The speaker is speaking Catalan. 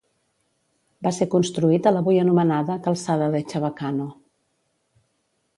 Va ser construït a l'avui anomenada calçada de Chabacano.